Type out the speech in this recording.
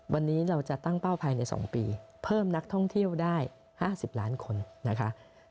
วันนี้เราจะตั้งเป้าภายใน๒ปีเพิ่มนักท่องเที่ยวได้๕๐ล้านคนนะคะ